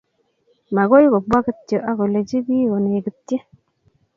magoy kibwa kityo ak kelechi piik konegitchi